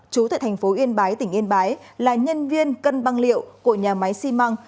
chú tại thành phố yên bái tỉnh yên bái là nhân viên cân băng liệu của nhà máy xi măng